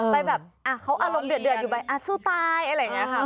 ไปแบบเขาอารมณ์เดือดอยู่ไปสู้ตายอะไรอย่างนี้ค่ะ